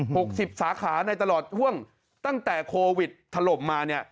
หกสิบสาขาในตลอดห่วงตั้งแต่โควิดถล่มมาเนี่ย